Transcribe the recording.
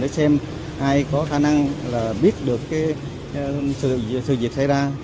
để xem ai có khả năng là biết được cái sự diệt xảy ra